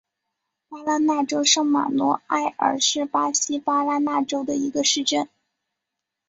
巴拉那州圣马诺埃尔是巴西巴拉那州的一个市镇。